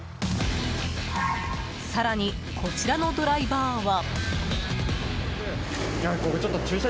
更に、こちらのドライバーは。